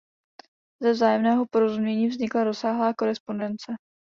Ze vzájemného porozumění vznikla rozsáhlá korespondence.